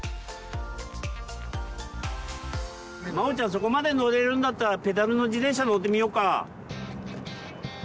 そこまで乗れるんだったらペダルの自転車乗ってみようか。